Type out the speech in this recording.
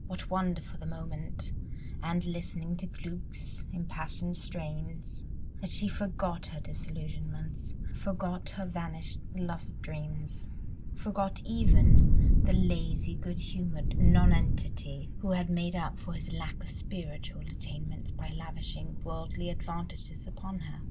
What wonder for the moment, and listening to Glück's impassioned strains, that she forgot her disillusionments, forgot her vanished love dreams, forgot even the lazy, good humoured nonentity who had made up for his lack of spiritual attainments by lavishing worldly advantages upon her.